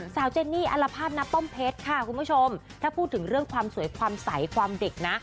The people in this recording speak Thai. เจนนี่อัลภาษณป้อมเพชรค่ะคุณผู้ชมถ้าพูดถึงเรื่องความสวยความใสความเด็กนะ